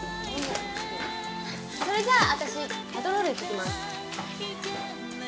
それじゃあ私パトロール行って来ます。